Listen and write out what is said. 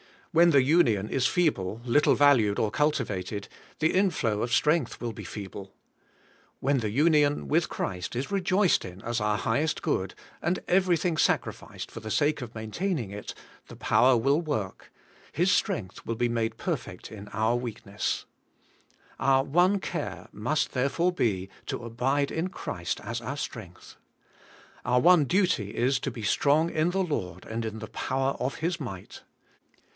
When the union is feeble, little valued or cultivated, the inflow of strength will be feeble. When the union with Christ is rejoiced in as our highest good, and everything sacrificed for the sake of maintaining it, the power will work: 'His strength will be made perfect in our AS YOUR STRENGTH. 213 weakness.' Our one care must therefore be to abide in Christ as our strength. Our one duty is to be strong in the Lord, and in the power of His might.